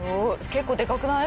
結構でかくない？